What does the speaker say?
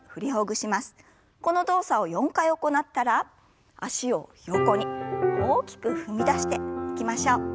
この動作を４回行ったら脚を横に大きく踏み出していきましょう。